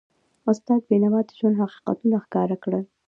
استاد بینوا د ژوند حقیقتونه ښکاره کړل.